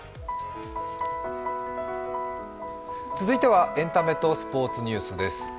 続いてはエンタメとスポーツニュースです。